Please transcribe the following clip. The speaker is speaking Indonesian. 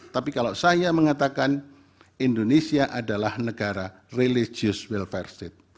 tapi kalau saya mengatakan indonesia adalah negara religious welfare state